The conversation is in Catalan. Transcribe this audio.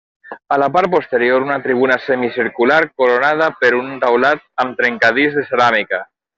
A la part posterior, una tribuna semicircular, coronada per un taulat amb trencadís de ceràmica.